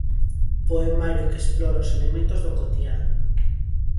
Poemario que explora os elementos do cotián.